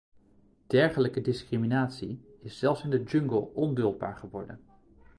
Dergelijke discriminatie is zelfs in de jungle onduldbaar geworden.